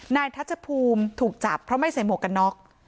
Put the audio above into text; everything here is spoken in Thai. ทัชภูมิถูกจับเพราะไม่ใส่หมวกกันน็อก